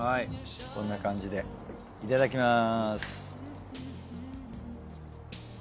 こんな感じでいただきます。